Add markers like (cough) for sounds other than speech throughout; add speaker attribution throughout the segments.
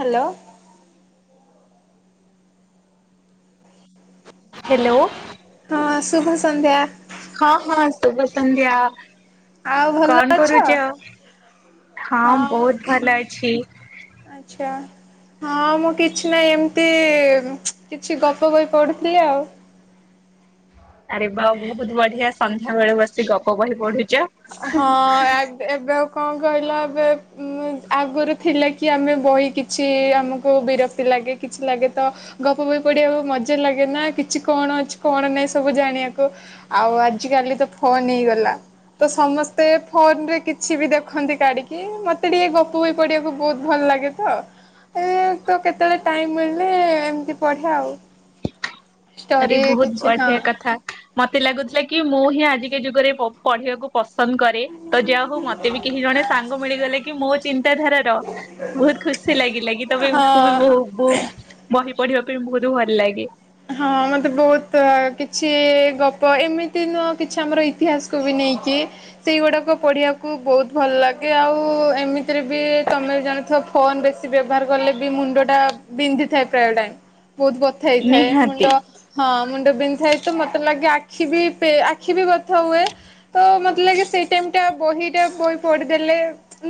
Speaker 1: Hello.
Speaker 2: Hello.
Speaker 1: ହଁ ଶୁଭ ସନ୍ଧ୍ୟା।
Speaker 2: ହଁ ହଁ, ଶୁଭ ସଂନ୍ଧ୍ୟା।
Speaker 1: ଆଉ ଭଲ
Speaker 2: କନ୍
Speaker 1: ଅଛ?
Speaker 2: କରୁଚ, ହଁ ବହୁତ ଭଲ ଅଛି।
Speaker 1: ଆଚ୍ଛା। ହଁ ମୁଁ କିଛି ନାଇଁ ଏମିତି କିଛି ଗପ ବହି ପଢୁଥିଲି ଆଉ।
Speaker 2: ଆରେ ବା ବହୁତ ବଢିଆ ସନ୍ଧ୍ୟା ବେଳେ ବସି ଗପ ବହି ପଢୁଚ।
Speaker 1: ହଁ, ଆ ଏବେ ଆଉ କଁ କହିଲ ଏବେ ଆଗୁରୁ ଥିଲା କି ଆମେ ବହି କିଛି ଆମକୁ ବିରକ୍ତି ଲାଗେ କିଛି ଲାଗେ ତ ଗପ ବହି ପଢିଆକୁ ମଜା ଲାଗେ ନା କିଛି କଣ ଅଛି କଣ ନାଇଁ ସବୁ ଜାଣିବାକୁ। ଆଉ ଆଜିକାଲି ତ ଫୋନ ହେଇଗଲା। ତ ସମସ୍ତେ ଫୋନରେ କିଛି ବି ଦେଖନ୍ତି କାଡିକି ମତେ ଟିକେ ଗପ ବହି ପଢ଼ିବାକୁ ବହୁତ ଭଲ ଲାଗେ। ତ ଏ ତ କେତେବେଳେ ଟାଇମ ମିଳିଲେ ଏମିତି ପଢେ ଆଉ।
Speaker 2: ଆରେ
Speaker 1: ଷ୍ଟୋରି
Speaker 2: ବହୁତ
Speaker 1: କିଛି ହଁ
Speaker 2: ବଢିଆ କଥା ମତେ ଲାଗୁଥିଲା କି ମୁଁ ହିଁ ଆଜିକା ଯୁଗରେ ପଢିବାକୁ ପସନ୍ଦ କରେ, ତ ଯାହା ହଉ ମତେ ବି କେହି ଜଣେ ସାଙ୍ଗ ମିଳିଗଲେ କି ମୋ ଚିନ୍ତାଧାରାର ବହୁତ ଖୁସି ଲାଗିଲା କି ତମେ
Speaker 1: ହଁ।
Speaker 2: ବ ବ ବହି ପଢିବା ପାଇଁ ବହୁତ ଭଲ ଲାଗେ।
Speaker 1: ହଁ ମତେ ବହୁତ କିଛି ଗପ ଏମିତି ନୁହଁ କିଛି ଆମର ଇତିହାସକୁ ବି ନେଇକି ସେଇଗୁଡାକ ପଢିବାକୁ ବହୁତ ଭଲ ଲାଗେ ଆଉ ଏମିତିରେ ବି ତମେ ଜାଣିଥ ଫୋନ ବେଶି ବ୍ୟବହାର କଲେ ବି ମୁଣ୍ଡ ଟା ବିନ୍ଧି ଥାଏ ପ୍ରାୟ ଟାଇମ ବହୁତ ବଥା ହେଇ ଥାଏ,
Speaker 2: ନିହାତି
Speaker 1: ମୁଣ୍ଡ। ହଁ ମୁଣ୍ଡ ବିନ୍ଧଥାଏ ତ ମତେ ଲାଗେ ଆଖି ବି ଆଖି ବି ବଥା ହୁଏ। ତ ମତେ ଲାଗେ ସେଇ ଟାଇମ ଟା ବହିଟା ବହି ପଢିଦେଲେ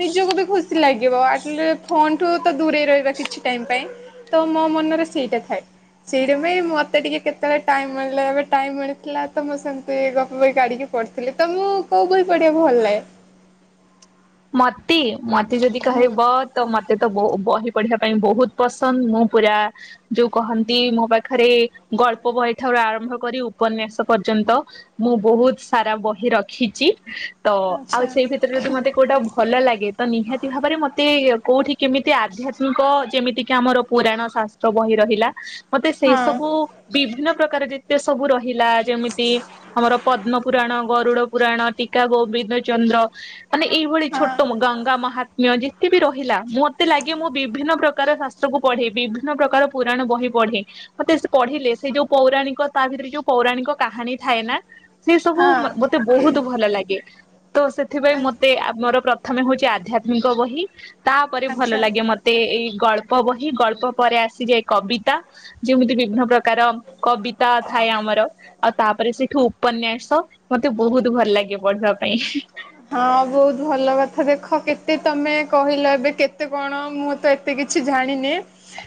Speaker 1: ନିଜକୁ ବି ଖୁସି ଲାଗିବ ଆଟଲି ଫୋନ ଠୁ ତ ଦୂରେଇ ରହିବା କିଛି ଟାଇମ ପାଇଁ। ତ ମୋ ମନରେ ସେଇଟା ଥାଏ। ସେଇଟା ବି ମତେ ଟିକେ କେତେବେଳେ ଟାଇମ ମିଳିଲେ ଏବେ ଟାଇମ ମିଳିଥିଲା ତ ମୁଁ ସେମିତି ଗପ ବହି କାଢିକି ପଡଥିଲି। ତମକୁ କୋଉ ବହି ପଢିବାକୁ ଭଲ ଲାଗେ?
Speaker 2: ମତେ, ମତେ ଯଦି
Speaker 1: ହୁଁ
Speaker 2: କହିବ ତ ମତେ ତ ବୋ ବହି ପଢିବା ପାଇଁ ବହୁତ ପସନ୍ଦ, ମୁଁ ପୁରା ଯୋଉ କହନ୍ତି ମୋ ପାଖରେ ଗଳ୍ପ ବହି ଠାରୁ ଆରମ୍ଭ କରି ଉପନ୍ୟାସ ପର୍ଯ୍ୟନ୍ତ ମୁଁ ବହୁତ ସାରା ବହି ରଖିଚି, ତ ଆଉ
Speaker 1: ଆଚ୍ଛା
Speaker 2: ସେଇ ଭିତରୁ ଯଦି ମତେ କୋଉଟା ଭଲ ଲାଗେ, ତ ନିହାତି ଭାବରେ ମତେ କୋଉଠି କେମିତି ଆଧ୍ୟାତ୍ମିକ ଯେମିତି କିି ଆମର ପୁରାଣ ଶାସ୍ତ୍ର ବହି ରହିଲା ମତେ ସେ
Speaker 1: ହଁ
Speaker 2: ସବୁ ବିଭିନ୍ନ ପ୍ରକାର ଯେ ତେ ସବୁ ରହିଲା ଯେମିତି ଆମର ପଦ୍ମ ପୁରାଣ। ଗରୁଡ ପୁରାଣ, ଟିକା ଗୋବିନ୍ଦ ଚନ୍ଦ୍ର ମାନେ ଏଇଭଳି
Speaker 1: ହଁ
Speaker 2: ଛୋଟ ଗଙ୍ଗା ମହା ତ୍ମ୍ୟ ଯେତେ ବିି ରହିଲା ମତେ ଲାଗେ ମୁଁ ବିଭିନ୍ନ ପ୍ରକାର ଶାସ୍ତ୍ରକୁୁ ପଢେ, ବିଭିନ୍ନ ପ୍ରକାର ପୁରାଣ ବହି ପଢ଼େ। ମତେ ସେ ପଢିଲେ ସେ ଯୋଉ ପୌରାଣିକ ତା ଭିତେରେ ଯୋଉ ପୌରାଣିକ କାହାଣୀ ଥାଏନା ସେ ସବୁ
Speaker 1: ହଁ
Speaker 2: ମତେ ବହୁତୁ ଭଲ ଲାଗେ, ତ ସେଥିପାଇଁ ମ ତେ ଆମର ପ୍ରଥମେ ହଉଚି ଆଧ୍ୟାତ୍ମିକ ବହି, ତାପରେ ଭଲ
Speaker 1: ଆଚ୍ଛା।
Speaker 2: ଲାଗେ ମ ତେ ଏଇ ଗଳ୍ପ ବହି ଗଳ୍ପ ପରେ ଆସିଯାଏ କବିତା। ଯେମିତି ବିଭିନ୍ନ ପ୍ରକାର କବିତା ଥାଏ ଆମର। ଆଉ ତାପରେ ସେଇଠୁ ଉପନ୍ୟାସ ମତେ ବହୁତୁ ଭଲ ଲାଗେ ପଢିବା ପାଇଁ।
Speaker 1: ହଁ ବହୁତ୍ ଭଲ କଥା ଦେଖ କେତେ ତମେ କହିଲ ଏବେ କେତେ କଣ, ମୁଁ ତ ଏ ତେ କିଛି ଜାଣିନି।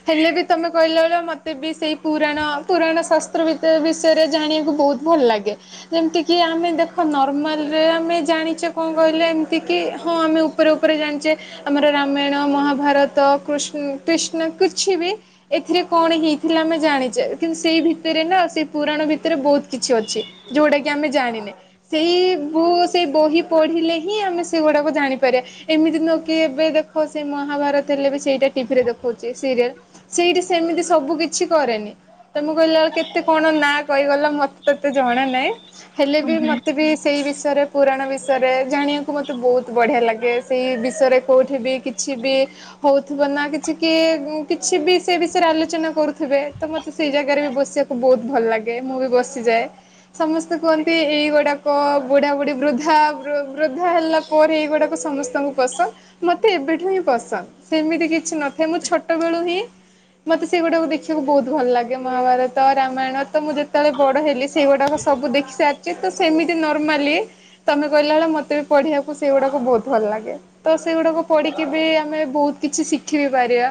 Speaker 1: ହେଲେ ବି ତମେ କହିଲା ଭଳିଆ ମତେ ବି ସେଇ ପୁରାଣ-ପୁରାଣ ଶାସ୍ତ୍ର ବିଷୟରେ ଜାଣିବାକୁ ବହୁତ୍ ଭଲ୍ ଲାଗେ ଯେମ୍ତି କିି ଆମେ ଦେଖ ନର୍ମାଲ୍ ରେ ଆମେ ଜାଣି ଚେ କଣ କହିଲେ ଏମ୍ତିକିି ହଁ ଆମେ ଉପରେ-ଉପରେ ଜାଣିଚେ। ଆମର ରାମାୟଣ, ମହାଭାରତ, କୃଷ୍ଣ କ୍ରୀଷ୍ଣ କିଛି ବି। ଏଥିରେ କଣ ହେଇଥିଲା ଆମେ ଜାଣିଚେ, କିନ୍ତୁ ସେଇ ଭିତେରେ ନା ସେଇ ପୁରାଣ ଭିତେରେ ବହୁତ୍ କିଛି ଅଛି। ଯୋଉଟା କି ଆମେ ଜାଣିନେ, ସେଇ ବୁ ସେଇ ବହି ପଢ଼ିଲେ ହିଁ ଆମେ ସେଗୁଡ଼ାକୁ ଜାଣିପାରିଆ। ଏମିତି ନୁହଁ କି ଏବେ ଦେଖ ସେ ମହାଭାରତ ହେଲେ ବି ସେଇଟା ଟିଭିରେ ଦେଖୋଉଚି ସିରିଏଲ୍ ସେଇଟି ସେମିତି ସବୁ କିଛି କରେନି। ତମେ କହିଲା ବେଳେ କେତେ କଣ ନାଁ କହିଗଲ ମତେ ତ ଏତେ ଜଣା ନାହିଁ। ହେଲେ ବି
Speaker 2: ହୁଁ
Speaker 1: ମତେ ବି ସେଇ ବିଷୟରେ ପୁରାଣ ବି ଷୟରେ ଜାଣିବାକୁ ମୋତେ ବହୁତ୍ ବଢ଼ିଆ ଲାଗେ, ସେଇ ବିଷୟରେ କୋଉଠି ବି କିଛି ବି ହଉଥିବ ନା କିଛି କିଏ କିଛି ବି ସେ ବିଷୟରେ ଆଲୋଚନା କରୁଥିବେ ତ ମତେ ସେଇ ଜାଗାରେ ବି ବସିଆକୁ ବହୁତ୍ ଭଲ ଲାଗେ, ମୁଁ ବି ବସିଯାଏ। ସମସ୍ତେ କୁହନ୍ତି ଏଇଗୁଡ଼ାକ ବୁଢ଼ାବୁଢ଼ୀ ବୃଦ୍ଧା ବୃ ବୃଦ୍ଧା ହେଲା ପରେ ଏଇଗୁଡାକ ସମସ୍ତଙ୍କୁ ପସନ୍ଦ। ମତେ ଏବେଠୁ ହିଁ ପସନ୍ଦ, ସେମିତି କିଛି ନଥାଏ ମୁଁ ଛୋଟବେଳୁ ହିଁ ମତେ ସେଇଗୁଡାକୁ ଦେଖିବାକୁ ବହୁତ୍ ଭଲ ଲାଗେ, ମହାଭାରତ, ରାମାୟଣ ତ ମୁଁ ଯେତବଳେ ବଡ ହେଲି ସେଇଗୁଡାକ ସବୁ ଦେଖି ସାରିଚି, ତ ସେମିତି ନର୍ମାଲି ତମେ କହିଲା ଭଳିଆ ମତେ ବି ପଢ଼ିବାକୁ ସେଇଗୁଡାକୁ ବହୁତ୍ ଭଲ୍ ଲାଗେ। ତ ସେଗୁଡାକୁ ପଢିକି ବି ଆମେ ବହୁତ୍ କିଛି ଶିଖି ବି ପାରିବା।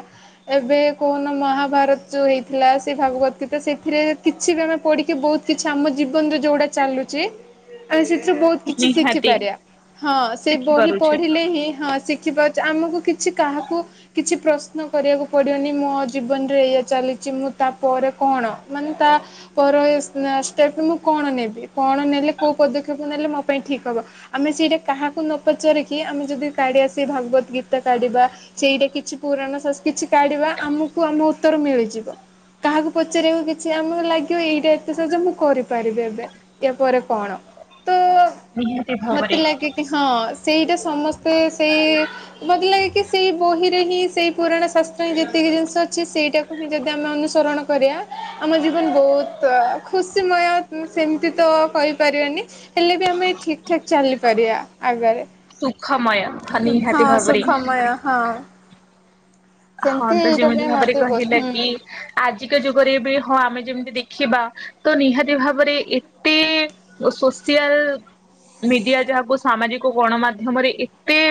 Speaker 1: ଏବେ (unintelligible) ମହାଭାରତ୍ ଯୋଉ ହେଇଥିଲା ସେ ଭାଗବତ୍ ଗୀତା ସେଥିରେ କିଛି ବି ଆମେ ପଢିକି ବହୁତ୍ କିଛି ଆମ ଜୀବନରେ ଯୋଉଡା ଚାଲୁଚି ଆମେ ସେଥିରୁ ବହୁତ୍ କିଛି
Speaker 2: ନିହାତି
Speaker 1: ଶିଖିପାରିବଆ, ହଁ ସେ ବହି
Speaker 2: ଶିଖିପାରୁଛେ
Speaker 1: ପଢିଲେ ହିଁ ହଁ ସି (unintelligible) ଆମକୁ କିଛି କାହାକୁ କିଛି ପ୍ରଶ୍ନ କରିବାକୁ ପଡିବନି, ମୋ ଜୀବନରେ ଏଇ ଚାଲିଚି ମୁଁ ତା ପରେରେ କଣ ମାନେ ତା ପର ଷ୍ଟେପ୍ ମୁଁ କଣ ନେବି, କଣ ନେଲେ କୋଉ ପଦକ୍ଷେପ ନେଲେ ମୋ ପାଇଁ ଠିକ୍ ହବ। ଆମେ ସେଇଟା କାହାକୁ ନ ପଚାରିକି ଆମେ ଯଦି କାଢିଆ ସେଇ ଭଗବତ ଗୀତା କାଢିବା। ସେଇଟା କିଛି ପୁରାଣ ସା କିଛି କାଢିବା ଆମକୁ ଆମ ଉତ୍ତର ମିଳିଯିବ। କାହାକୁ ପଚାରିବାକୁ କିଛି ଆମକୁ ଲାଗିବ ଏଇଟା ଏତେ ସହଜ ମୁଁ କରିପାରିବି ଏବେ। ୟା ପରେ କଣ, ତ
Speaker 2: ହୁଁ।
Speaker 1: ମତେ ଲାଗେ କି ହଁ, ସେଇଟା ସମସ୍ତେ ସେଇ ମତେ ଲାଗେ କି ସେଇ ବହିରେ ହିଁ ସେଇ ପୁରଣ ଶାସ୍ତ୍ର ହିଁ ଯେତିକି ଜିନିଷ ଅଛି ସେଇଟା ହିଁ ଯଦି ଆମେ ଅନୁସରଣ କରିବା, ଆମ ଜୀବନ ବହୁତ୍ ଖୁସିମୟ ସେମିତି ତ କହିପାରିବାନି ହେଲେ ବି ଆମେ ଠିକ ଠାକ ଚାଲିପାରିବା ଆଗରେ।
Speaker 2: ସୁଖମୟ।
Speaker 1: ହଁ
Speaker 2: ନିହାତି ଭାବରେ
Speaker 1: ସୁଖମୟ ହଁ।
Speaker 2: ହଁ
Speaker 1: ସେମିତି
Speaker 2: ତ
Speaker 1: ଏଇଟା
Speaker 2: ଯେମିତି
Speaker 1: ପାଇଁ
Speaker 2: ଭାବରେ
Speaker 1: ମତେ ବହୁତ
Speaker 2: କହିଲା
Speaker 1: ହୁଁ
Speaker 2: କି ଆଜିକା ଯୁଗରେ ବି ହଁ ଆମେ ଯେମିତି ଦେଖିବା। ତ ନିହାତି ଭାବରେ ଏତେ ସୋସିଆଲ ମିଡିଆ ଯାହାକୁ ସାମାଜିକ ଗଣମାଧ୍ୟମରେ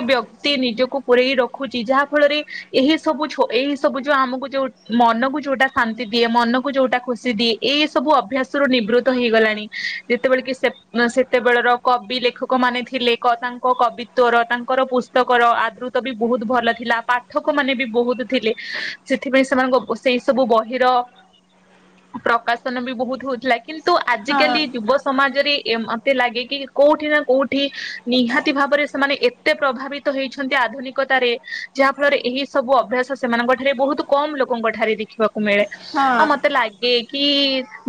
Speaker 2: ବ୍ୟକ୍ତି ନିଜକୁ ପୂରେଇ ରଖୁଛି ଯାହା ଫଳରେ ଏହି ସବୁ ଏଇ ସବୁ ଯୋଉ ଆମକୁ ଯୋଉ ମନକୁ ଯୋଉଟା ଶାନ୍ତି ଦିଏ ମନକୁ ଯୋଉଟା ଖୁସି ଦିଏ ଏଇ ସବୁ ଅଭ୍ୟାସ ର ନିବୃତ୍ତ ହେଇଗଲାଣି ଯେତେବେଳେ କି ସେ ସେତେବେଳର କବି ଲେଖକ ମାନେ ଥିଲେ ତାଙ୍କ କବିିତ୍ୱର ତାଙ୍କର ପୁସ୍ତକର ଆଦୃତ ବି ବହୁତ ଭଲ ଥିଲା ପା ପାଠକ ମାନେ ବି ବହୁତ ଥିଲେ ସେଥିପାଇଁ ସେମାନଙ୍କ ସେଇ ସବୁ ବହିର ପ୍ରକାଶନ ବି ବହୁତ ହଉଥିଲା। କିନ୍ତୁ ଆଜିକାଲି
Speaker 1: ହଁ
Speaker 2: ଯୁବ ସମାଜରେ ମତେ ଲାଗେ କି କୋଉଠି ନା କୋଉଠି ଏଇଠି ନିହାତି ଭାବରେ ସେମାନେ ଏତେ ପ୍ରଭାବିତ ହେଇଛନ୍ତି ଆଧୁନିକତାରେ ଯାହା ଫଳରେ ଏହି ସବୁ ଅଭ୍ୟାସ ସେମାନଙ୍କ ଠାରେ ବହୁତ କମ ଲୋକଙ୍କ ଠାରେ ଦେଖିବାକୁ ମିଳେ
Speaker 1: ହଁ।
Speaker 2: ଆଉ ମତେ ଲାଗେ ଏ କି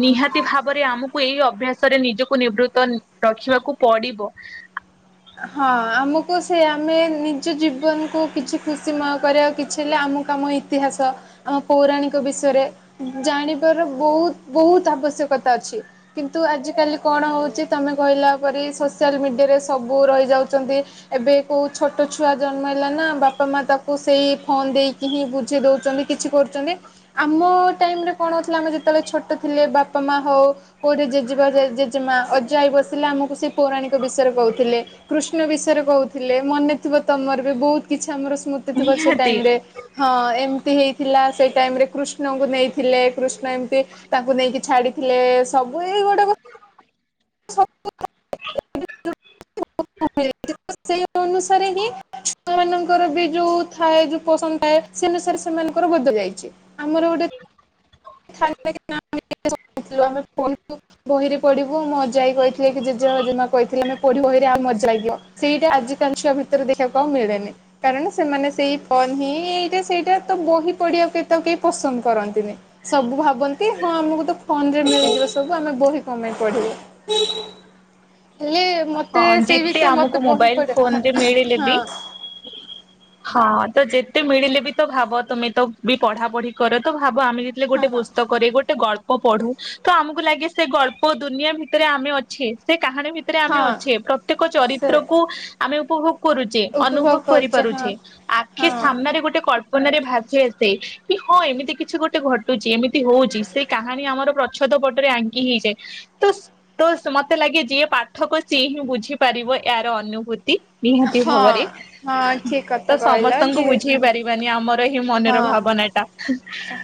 Speaker 2: ନିହାତି ଭାବରେ ଆମକୁ ଏଇ ଅଭ୍ୟାସରେ ନିଜକୁ ନିବୃତ୍ତ ରଖିବାକୁ ପଡିବ।
Speaker 1: ହଁ ଆମକୁ ସେ ଆମେ ନିଜ ଜୀବନକୁ କିଛି ଖୁସିମୟ କରିବାକୁ କିଛି ହେଲେ ଆମକୁ ଆମ ଇତିହାସ ଆମ ପୌରାଣିକ ବିଷୟରେ ଜାଣିବାର ବହୁତ ବହୁତ ଆବଶ୍ୟକତା ଅଛି କିନ୍ତୁ ଆଜିକାଲି କଣ ହେଉଛି ତମେ କହିଲା ପରି ସୋସିଆଲ ମିଡ଼ିଆରେ ସବୁ ରହିଯାଉଛନ୍ତି ଏବେ କୋଉ ଛୋଟ ଛୁଆ ଜନ୍ମ ହେଲା ନା ବାପା ମା ତାକୁ ସେଇ ଫୋନ ଦେଇକି ହିଁ ବୁଝେଇ ଦଉଛନ୍ତି କିଛି କରୁଛନ୍ତି ଆମ ଟାଇମରେ କଣ ହେଉଥିଲା ଆମେ ଯେତେବେଳେ ଛୋଟ ଥିଲେ ବାପା ମା ହଉ କୋଉଠି ଜେଜେବବା ଜେେମା ଅଜାଇ ବସିଲେ ଆମକୁ ସେ ପୌରାଣିକ ବିଷୟରେ କହୁ ଥିଲେ କୃଷ୍ଣ ବିଷୟରେ କହୁଥିଲେ ମନେ ଥିବ ତମର ବି ବହୁତ କିଛି ଆମର ସ୍ମୃତି ଥିବ ସେ
Speaker 2: ନିହାତି
Speaker 1: ଟାଇମ ରେ ହଁ ଏମିତି ହେଇଥିଲା ସେଇ ଟାଇମ ରେ କୃଷ୍ଣଙ୍କୁ ନେଇଥିଲେ କୃଷ୍ଣ ଏମିତି ତାଙ୍କୁ ନେଇକି ଛାଡିଥିଲେ ସବୁ ଏଇ ଗୋଟେ ସବୁ ତ (inaudible) ସେଇ ଅନୁସାରେ ହିଁ ଛୁଆ ମାନଙ୍କର ବି ଯୋଉ ଥାଏ ଯୋଉ ପସନ୍ଦ ଥାଏ ସେ ଅନୁସାରେ ସେମାନଙ୍କର ବଦଳି ଯାଇଛି ଆମର ଗୋଟେ (inaudible) ବହିରେ ପଢିବୁ ଅଜା ଆଈ କହିଥିଲେ କି ଜେଜେ ଜେଜେମା କହିଥିଲେ ମମେ ପଢିବୁ ବହିରେ ଆଉ ମଜା ହେଇକିଅ ସେଇଟା ଆଜି କାଲି ଛୁଆ ଭିତରେ ଦେଖିବାକୁ ଆଉ ମିଳେନି। କାରଣ ସେମାନେ ସେଇ ଫୋନ ହିଁ ଏଇଟା ସେଇଟା ତ ବହି ପଡିିବାକୁ କେ ତ କେହି ପସନ୍ଦ କରନ୍ତିନି। ସବୁ ଭାବନ୍ତି ହଁ ଆମକୁ ତ ଫୋନରେ ମିଳିଯିବ ସବୁ ଆମେ ବହି କଣ ପାଇଁ ପଢିବୁ? ହେଲେ ମତେ
Speaker 2: ହଁ
Speaker 1: ସେଇ
Speaker 2: ଯେତେ
Speaker 1: ବିଷୟ
Speaker 2: ଆମକୁ
Speaker 1: ମତେ ବହୁତ୍
Speaker 2: ମୋବାଇଲ ଫୋନ
Speaker 1: ପଡିବ
Speaker 2: ରେ ମିଳିଲେ
Speaker 1: ହଁ।
Speaker 2: ବି ହଁ ତ ଯେତେ ମିଳିଲେ ବି ତ ଭାବ ତମେ ତ ବି ପଢା ପଢି କର ତ ଭାବ ଆମେ ଯେ ହେଲେ ଗୋଟେ
Speaker 1: ହଁ।
Speaker 2: ପୁସ୍ତକ। କରେ ଗୋଟେ ଗଳ୍ପ ପଢୁ ତ ଆମକୁ ଲାଗେ ସେ ଗଲ୍ପ ଦୁନିଆ ଭିତରେ ଆମେ ଅଛେ ସେ କାହାଣୀ ଭି ଆମେ
Speaker 1: ହଁ
Speaker 2: ଅଛେ ପ୍ରତ୍ୟେକ
Speaker 1: ସେ
Speaker 2: ଚରିତ୍ରକୁୁ ଆମେ ଉପଭୋଗ କରୁଛେ
Speaker 1: ଉପଭୋଗ
Speaker 2: ଅନୁଭବ
Speaker 1: କରୁଛେ
Speaker 2: କରିପାରୁଛେ
Speaker 1: ହଁ।
Speaker 2: ଆଖି
Speaker 1: ହଁ
Speaker 2: ସାମ୍ନାରେ ଗୋଟେ କଳ୍ପ ଳ୍ପନାରେ ଭା ଆସେ କି ହଁ ଏମିତି କିଛି ଗୋଟେ ଘଟୁଛି ଏମିତି ହଉଛି ସେ କାହାଣୀ ଆମର ଛଦ ପଟରେ ଆଙ୍କି ହେଇଯାଏ ତ ତ ମତେ ଲାଗେ ଯିଏ ପାଠ କୁ ସିଏ ହିଁ ବୁଝିପାରିବ ଏଆର ଅନୁଭୂତି। ନିହାତି
Speaker 1: ହଁ
Speaker 2: ଭାବରେ
Speaker 1: ହଁ ଠିକ କଥା
Speaker 2: ତ
Speaker 1: କହିଲ
Speaker 2: ସମସ୍ତଙ୍କୁ
Speaker 1: ଯିଏ
Speaker 2: ବୁଝେଇ
Speaker 1: ହୁଁ।
Speaker 2: ପାରି ବାନି ଆମର ଏହି
Speaker 1: ହଁ
Speaker 2: ମନର ଭାବନା ଟା ହେଁ।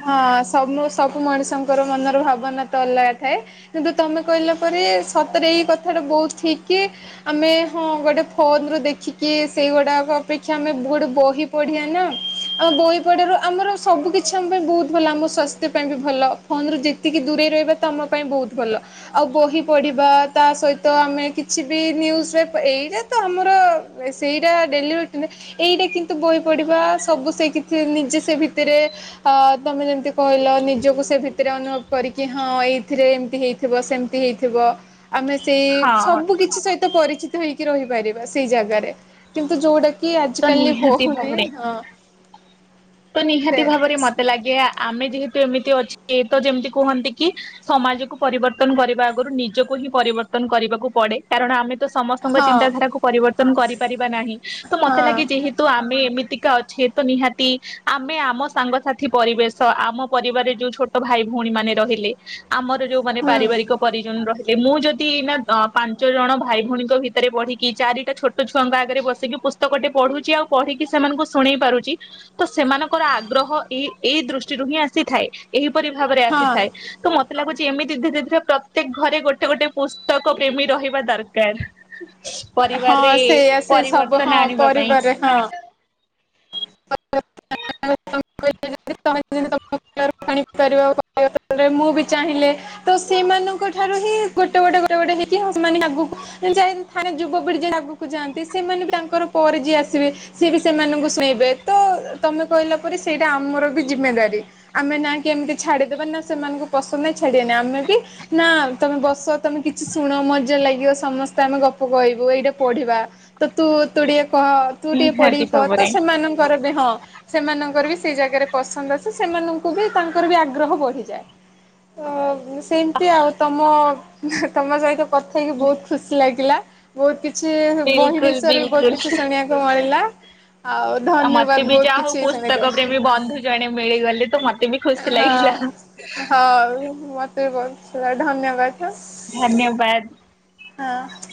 Speaker 1: ହଁ ସବୁ ସବୁ ମଣିଷଙ୍କର ମନର ଭାବନା ତ ଅଲଗା ଥାଏ। କିନ୍ତୁ ତମେ କହିଲା ପରେ ସତରେ ଏଇ କଥା ଟା ବହୁତ ଠିକ କି। ଆମେ ହଁ ଗୋଟେ ଫୋନ ରୁ ଦେଖିକି ସେଇଗୁଡ଼ାକ ଅପେକ୍ଷା ଆମେ ବହି ଟେ ବହି ପଢ଼ିଆ ନା। ଆମ ବହି ପଢ଼ିବାରୁ ଆମର ସବୁ କିଛି ଆମ ପାଇଁ ବହୁତ ଭଲ ଆମ ସ୍ୱାସ୍ଥ୍ୟ ପାଇଁ ବି ଭଲ ଫୋନ ରୁ ଯେ ଏତିକି ଦୂରେଇ ରହିବା ତମ ପାଇଁ ବହୁତ ଭଲ। ଆଉ ବହି ପଢିବା ତା ସହିତ ଆମେ କିଛି ବି ନିଉଜରେ ପ ଏଇତା ତ ଆମର ଏ ସେଇଟା ଡେଲି ରୁଟିନ ଏଇଟା କିନ୍ତୁ ବହି ପଢିବା ସବୁ ସେ କିଛି ନିଜେ ସେ ଭିତରେ। ଅ ତମେ ଯେମତି କହିଲ ନିଜକୁ ସେ ଭିତରେ ଅନୁଭବ କରିକି ହଁ ଏଇଥିରେ ଏମିତି ହେଇ ଥିବ ସେମିତି ହେଇଥିବ। ଆମେ ସେଇ
Speaker 2: ହଁ
Speaker 1: ସବୁ କିଛି ସହିତ ପରିଚିତ ହେଇକି ରହିପାରିବା ସେଇ ଜାଗାରେ କିନ୍ତୁ ଯୋଉଟା। କି ଆଜି
Speaker 2: ତ
Speaker 1: କାଲି
Speaker 2: ନିହାତି
Speaker 1: ହଉନି
Speaker 2: ଭାବରେ
Speaker 1: ହଁ।
Speaker 2: ତ
Speaker 1: ସେ
Speaker 2: ନିହାତି ଭାବରେ ମତେ ଲାଗେ ଆ ଆମେ ଯେହେତୁ ଏମିତି ଅଛେ ତ ଯେମିତି କୁହନ୍ତି କି। ସମାଜକୁ ପରିବର୍ତ୍ତନ କରିବା ଆଗରୁ ନିଜକୁ ହିଁ ପରିବର୍ତ୍ତନ କରିବାକୁ ପଡେ। କାରଣ ଆମେ ତ ସମସ୍ତଙ୍କ
Speaker 1: ହଁ
Speaker 2: ଚିନ୍ତାଧାରାକୁ ପରିବର୍ତ୍ତନ କରିପାରିବା ନାହିଁ। ତ ମତେ ଲାଗେ
Speaker 1: ହଁ
Speaker 2: ଯେହେତୁ ଆମେ ଏମିତିକା ଅଛେ ତ ନିହାତି। ଆମେ ଆମ ସାଙ୍ଗସାଥି ପରିବେଶ ଆମ ପରିବାରରେ ଯୋଉ ଛୋଟ ଭାଇ, ଭଉଣୀ ମାନେ ରହିଲେ। ଆମର ଯୋଉ ମାନେ
Speaker 1: ହୁଁ
Speaker 2: ପାରିବାରିକ ପରିଜନ ରହି ଏ ମୁଁ ଯଦି ଏଇନା ଅଁ ପାଞ୍ଚ ଜଣ ଭାଇ, ଭଉଣୀଙ୍କ ଭିତରେ ପଢିକି ଚାରିଟା ଛୋଟ ଛୁଆଙ୍କ ଆଗରେ ବସିକି ପୁ ତକ ଟେ ପଢ଼ୁଛି ଆଉ ପଢିକି ସେମାନଙ୍କୁ ଶୁଣେଇ ପାରୁଛି। ତ ସେମାନଙ୍କର ଆଗ୍ରହ ଏଇ ଏଇ ଦୃଷ୍ଟିରୁ ହିଁ ଆସିଥାଏ ଏହିପରି ଭାବରେ
Speaker 1: ହଁ
Speaker 2: ଆସିଥାଏ। ତ ମତେ ଲାଗୁଛି ଏମିତି ଧୀରେ ଧୀରେ ପ୍ରତ୍ୟେକ ଘରେ ଗୋଟେ ଗୋଟେ ପୁସ୍ତକ ପ୍ରେମୀ ରହିବା ଦରକାର।
Speaker 1: ହଁ
Speaker 2: ପରିବାରରେ
Speaker 1: ସେଇଆ ସେ ସବୁ
Speaker 2: ପରିବର୍ତ୍ତନ
Speaker 1: ହଁ
Speaker 2: ଆଣିବା ପାଇଁ
Speaker 1: ପରିବାରେ ହଁ। (inaudible) ତାପରେ ମୁଁ ବି ଚାହିଁଲେ ତ ସେମାନଙ୍କ ଠାରୁ ହିଁ ଗୋଟେ ଗୋଟେ ଗୋଟେ ଗୋଟେ ହେଇକି ହଁ ସେମାନେ ଆଗକୁ। ଯାଇ ଥାନେ ଯୁବପିଢି ଯେମିତି ଆଗକୁ ଯାଆନ୍ତି ସେମାନେ ବି ତାଙ୍କର ପରେ ଯିଏ ଆସିବେ। ସିଏ ବି ସେମାନଙ୍କୁ ଶୁଣେଇବେ ତ ତମେ କହିଲା ପରେ ସେଇଟା ଆମର ବି ଜିମେଦାରି। ଆମେ ନା କି ଏମିତି ଛାଡିଦବା ନା ସେମାନଙ୍କୁ ପସନ୍ଦ ନାଇଁ ଛାଡିବାନି ଆମେ ବି। ନା ତମେ ବସ ତମେ କିଛି ଶୁଣ ମଜା ଲାଗିବ ସମସ୍ତେ ଆମେ ଗପ କହିବୁ ଏଇଟା ପଢିବା। ତ ତୁ ତୁ ଟିକେ କହ ତୁ ଟିକେ
Speaker 2: ନିହାତି
Speaker 1: ପଢିକି କ ତ
Speaker 2: ଭାବରେ।
Speaker 1: ସେମାନଙ୍କର ବି ହଁ। ସେମାନଙ୍କର ବି ସେଇ ଜାଗାରେ ପସନ୍ଦ ଆସେ ସେମାନଙ୍କୁ ବି ତାଙ୍କର ବି ଆଗ୍ରହ ବଢିଯାଏ। ଅ ସେମିତି ଆଉ ତମ ତମ ସହିତ କଥା ହେଇକି ବହୁତ ଖୁସି ଲାଗିଲା। ବହୁତ କିଛି ବହି
Speaker 2: ବିଲକୁଲ
Speaker 1: ବିଷୟରେ ବି
Speaker 2: ବିଲକୁଲ
Speaker 1: ବହୁତ କିଛି ଶୁଣିବାକୁ ମିଳିଲା ଆଉ।
Speaker 2: ଆ
Speaker 1: ଧନ୍ୟବାଦ
Speaker 2: ମତେ ବି
Speaker 1: ବହୁତ
Speaker 2: ଯା ହଉ
Speaker 1: କିଛି ଶୁଣିକି
Speaker 2: ପୁସ୍ତକ
Speaker 1: ହଁ।
Speaker 2: ପ୍ରେମୀ ବନ୍ଧୁ ଜଣେ ମିଳିଗଲେ ତ ମତେ ବି ଖୁସି ଲାଗିଲା।
Speaker 1: ହଉ ମତେ ବି ବହୁ (unintelligible) ଧନ୍ୟବାଦ।
Speaker 2: ଧନ୍ୟବାଦ।
Speaker 1: ହଁ।